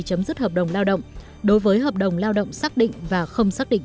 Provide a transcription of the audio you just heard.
chấm dứt hợp đồng lao động đối với hợp đồng lao động xác định và không xác định